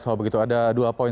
oh begitu ada dua poin